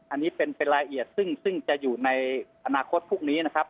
อันนี้เป็นรายละเอียดซึ่งจะอยู่ในอนาคตพวกนี้นะครับ